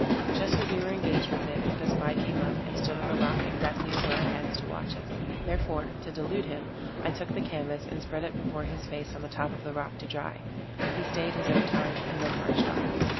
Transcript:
Just as we were engaged with it, the spy came up, and stood on a rock exactly over our heads, to watch us. Therefore, to delude him, I took the canvas and spread it before his face on the top of the rock to dry; he staid his own time, and then marched off.